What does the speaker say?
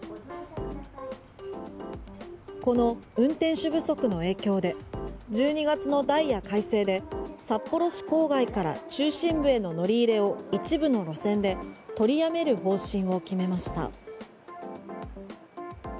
この運転手不足の影響で１２月のダイヤ改正で札幌市郊外から中心部への乗り入れを一部の路線で取りやめる方針を決めました。